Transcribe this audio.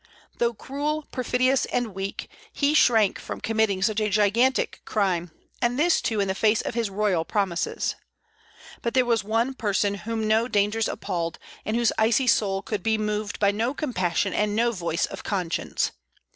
Though cruel, perfidious, and weak, he shrank from committing such a gigantic crime, and this too in the face of his royal promises. But there was one person whom no dangers appalled, and whose icy soul could be moved by no compassion and no voice of conscience.